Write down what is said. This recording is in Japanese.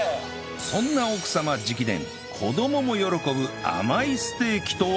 そんな奥様直伝子どもも喜ぶ甘いステーキとは？